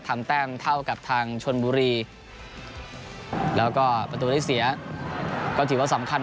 แต้มเท่ากับทางชนบุรีแล้วก็ประตูได้เสียก็ถือว่าสำคัญ